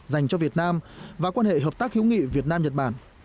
dành cho việt nam và quan hệ hợp tác hiếu nghị việt nam nhật bản